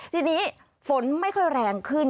ทีนี้ฝนไม่ค่อยแรงขึ้น